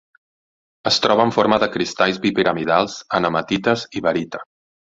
Es troba en forma de cristalls bipiramidals en hematites i barita.